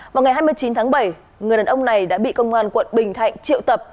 vào ngày hai mươi chín tháng bảy người đàn ông này đã bị công an quận bình thạnh triệu tập